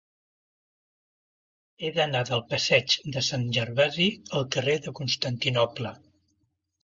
He d'anar del passeig de Sant Gervasi al carrer de Constantinoble.